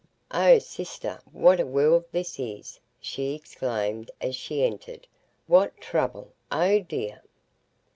"Oh, sister, what a world this is!" she exclaimed as she entered; "what trouble, oh dear!"